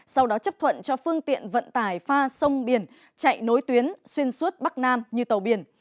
sau đó chấp thuận cho phương tiện vận tải pha sông biển chạy nối tuyến xuyên suốt bắc nam như tàu biển